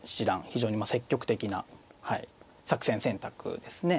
非常に積極的な作戦選択ですね。